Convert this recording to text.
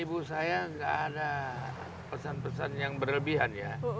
ibu saya nggak ada pesan pesan yang berlebihan ya